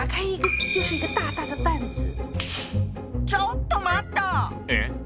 ちょっと待った！え？